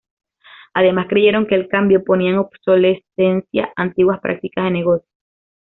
Además, creyeron que el cambio ponía en obsolescencia antiguas prácticas de negocios.